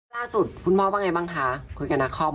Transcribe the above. ล่าสุดคุณพ่อเป็นไงบ้างคะคุยกับนักคล่อม